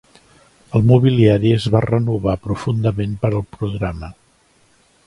El mobiliari es va renovar profundament per al programa.